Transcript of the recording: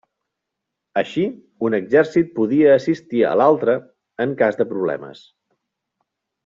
Així un exèrcit podia assistir a l'altre en cas de problemes.